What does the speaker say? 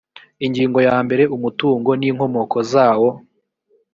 ingingo ya mbere umutungo n inkomoko zawo